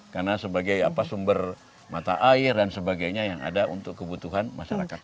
karena sebagai apa sumber mata air dan sebagainya yang ada untuk kebutuhan masyarakat